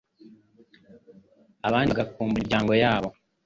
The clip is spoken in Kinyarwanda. abandi bagakumbura imiryango yabo